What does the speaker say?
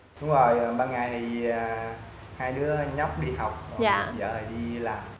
đúng rồi ban ngày thì hai đứa nhóc đi học vợ đi làm